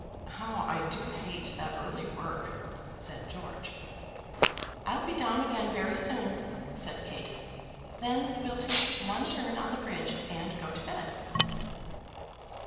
"How I do hate that early work," said George. "I'll be down again very soon," said Kate. "Then we'll take one turn on the bridge and go to bed."